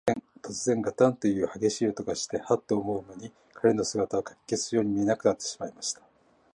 とつぜん、ガタンというはげしい音がして、ハッと思うまに、彼の姿は、かき消すように見えなくなってしまいました。